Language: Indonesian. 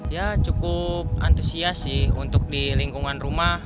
ya cukup antusias sih untuk di lingkungan rumah